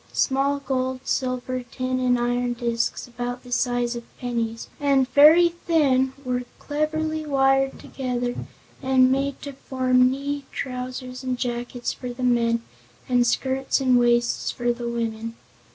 Small gold, silver, tin and iron discs, about the size of pennies, and very thin, were cleverly wired together and made to form knee trousers and jackets for the men and skirts and waists for the women.